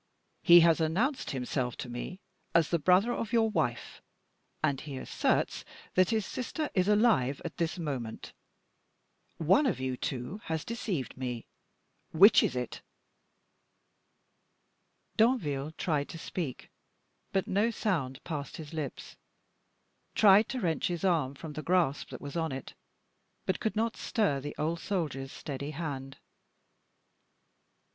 He has announced himself to me as the brother of your wife, and he asserts that his sister is alive at this moment. One of you two has deceived me. Which is it?" Danville tried to speak, but no sound passed his lips; tried to wrench his arm from the grasp that was on it, but could not stir the old soldier's steady hand.